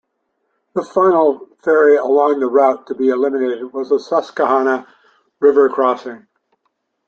The final ferry along the route to be eliminated was the Susquehanna River crossing.